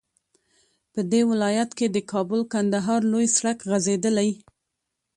په دې ولايت كې د كابل- كندهار لوى سړك غځېدلى